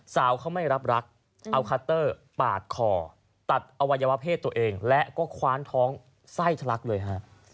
สาวเขาไม่รับรักเอาคัตเตอร์ปาดคอตัดอวัยวะเพศตัวเองและก็คว้านท้องไส้ทะลักเลยฮะ